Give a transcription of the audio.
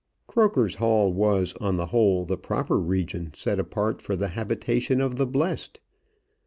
Croker's Hall was on the whole the proper region set apart for the habitation of the blest.